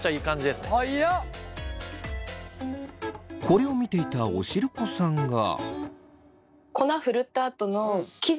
これを見ていたおしるこさんが。